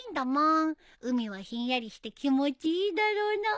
海はひんやりして気持ちいいだろうな。